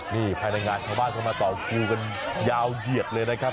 นี่ภายในงานของบ้านออมมาตอเป็นยาวเหยียบเลยนะครับ